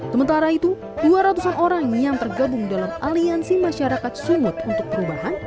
sementara itu dua ratus an orang yang tergabung dalam aliansi masyarakat sumut untuk perubahan